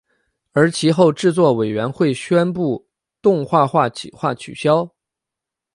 而其后制作委员会宣布动画化企划取消。